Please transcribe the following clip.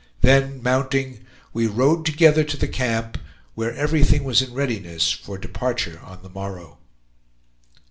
Then, mounting, we rode together to the camp, where everything was in readiness for departure on the morrow.